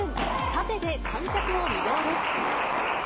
タテで観客を魅了です。